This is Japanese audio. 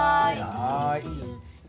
はい。